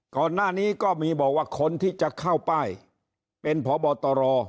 ก่อนหน้านี้ก็มีบอกว่าคนที่จะเข้าป้ายเป็นพบตร